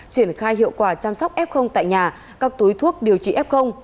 triển khai hiệu quả chăm sóc f tại nhà các túi thuốc điều trị f